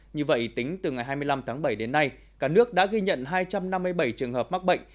như vậy tính từ ngày hai mươi năm tháng bảy đến nay cả nước đã ghi nhận hai trăm năm mươi bảy trường hợp mắc bệnh